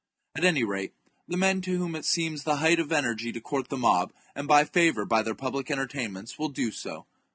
At any rate, the men to whom it seems the height of energy to court the mob, and buy favour by their public entertainments, will do so.